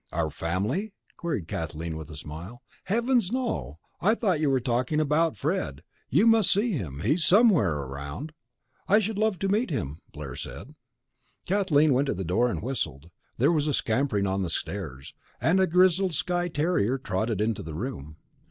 "Our family?" queried Kathleen with a smile. "Heavens, no! I thought you were talking about Fred. You must see him, he's somewhere around." "I should love to meet him," said Blair. Kathleen went to the door and whistled. There was a scampering on the stairs, and a grizzled Skye terrier trotted into the room.